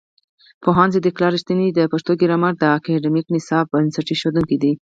پوهاند صدیق الله رښتین د پښتو ګرامر د اکاډمیک نصاب بنسټ ایښودونکی دی.